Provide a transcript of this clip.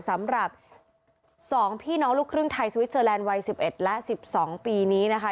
สำหรับ๒พี่น้องลูกครึ่งไทยสวิสเตอร์แลนด์วัย๑๑และ๑๒ปีนี้นะคะ